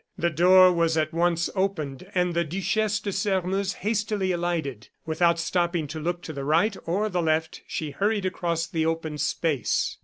The door was at once opened, and the Duchesse de Sairmeuse hastily alighted. Without stopping to look to the right or to the left, she hurried across the open space.